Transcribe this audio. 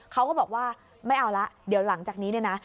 เขาก็บอกว่าไม่เอาละเดี๋ยวหลังจากนี้เนี่ยนะ